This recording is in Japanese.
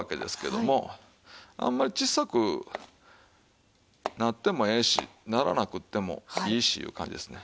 あんまり小さくなってもええしならなくってもいいしいう感じですね。